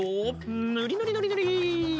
んぬりぬりぬりぬり。